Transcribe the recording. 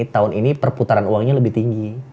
tahun ini perputaran uangnya lebih tinggi